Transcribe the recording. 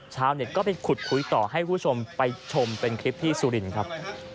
เช้าเนี่ยก็ไปขุดคุยต่อให้ผู้ชมไปชมเป็นคลิปที่สุรินครับ